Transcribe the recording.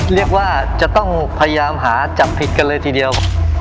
เรียกว่าจะต้องพยายามหาจับผิดกันเลยทีเดียว